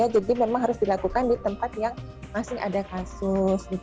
jadi memang harus dilakukan di tempat yang masih ada kasus